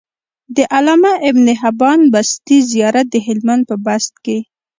د علامه ابن حبان بستي زيارت د هلمند په بست کی